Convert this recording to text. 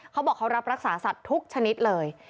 เขาบอกเขารับรักษาสัตว์ทุกชนิดเลย